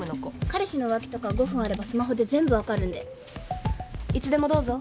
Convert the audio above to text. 彼氏の浮気とか５分あればスマホで全部分かるんでいつでもどうぞ。